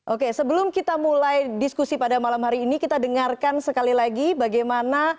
oke sebelum kita mulai diskusi pada malam hari ini kita dengarkan sekali lagi bagaimana